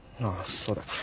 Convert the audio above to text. そうだ。